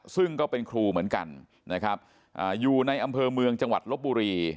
ซึ่งก็เป็นครูเหมือนกันนะครับอยู่ในอำเภอเมืองจังหวัดลบบุรี